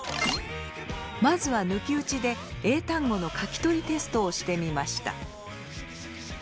まずは抜き打ちで英単語の書き取りテストをしてみました。